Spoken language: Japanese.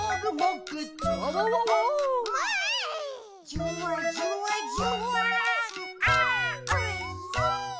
「じゅわじゅわじゅわーんあーおいしい！」